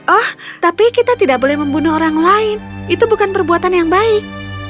oh tapi kita tidak boleh membunuh orang lain itu bukan perbuatan yang baik